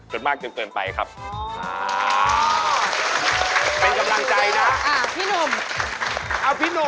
ผมวิเคราะห์